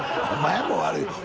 お前も悪い。